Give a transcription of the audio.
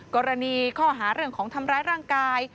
กรณีข้อหาเรื่องของทำร้ายร่างกาย